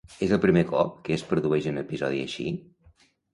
És el primer cop que es produeix un episodi així?